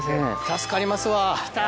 助かりますわ来た。